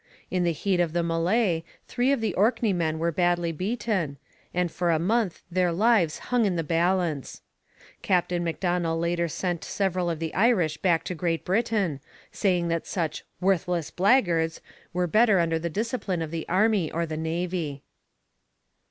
In the heat of the mêlée three of the Orkneymen were badly beaten, and for a month their lives hung in the balance. Captain Macdonell later sent several of the Irish back to Great Britain, saying that such 'worthless blackguards' were better under the discipline of the army or the navy.